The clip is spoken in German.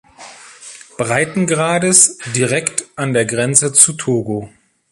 Breitengrades direkt an der Grenze zu Togo.